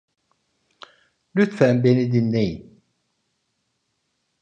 Lütfen beni dinleyin.